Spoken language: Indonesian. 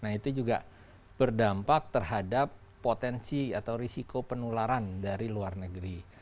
nah itu juga berdampak terhadap potensi atau risiko penularan dari luar negeri